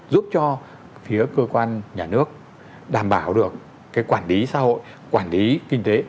giúp cho phía cơ quan nhà nước đảm bảo được cái quản lý xã hội quản lý kinh tế